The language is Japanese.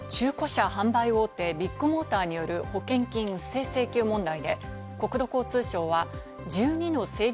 中古車販売大手・ビッグモーターによる保険金不正請求問題で、国土交通省は１２の整備